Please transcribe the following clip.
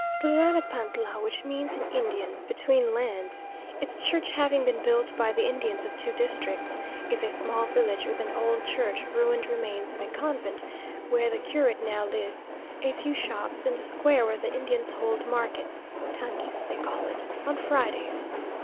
Tlanapantla, which means in Indian, between lands, its church having been built by the Indians of two districts, is a small village, with an old church, ruined remains of a convent, where the curate now lives, a few shops, and a square where the Indians hold market (tangis they call it) on Fridays.